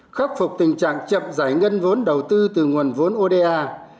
khắc phục tình trạng chậm giải ngân vốn đầu tư từ nguồn vốn oda